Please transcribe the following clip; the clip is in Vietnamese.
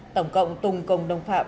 tổng cộng tùng công đồng phạm